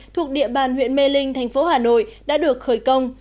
thuộc địa bàn huyện mê linh thành phố hà nội đã được khởi công